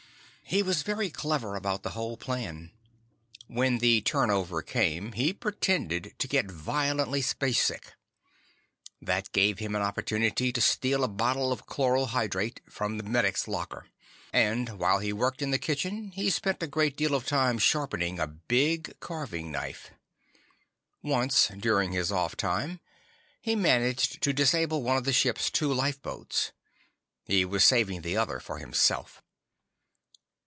He was very clever about the whole plan. When turn over came, he pretended to get violently spacesick. That gave him an opportunity to steal a bottle of chloral hydrate from the medic's locker. And, while he worked in the kitchen, he spent a great deal of time sharpening a big carving knife. Once, during his off time, he managed to disable one of the ship's two lifeboats. He was saving the other for himself.